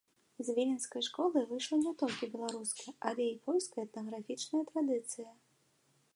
З віленскай школы выйшла не толькі беларуская, але і польская этнаграфічная традыцыя.